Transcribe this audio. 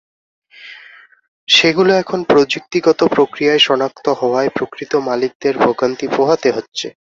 সেগুলো এখন প্রযুক্তিগত প্রক্রিয়ায় শনাক্ত হওয়ায় প্রকৃত মালিকদের ভোগান্তি পোহাতে হচ্ছে।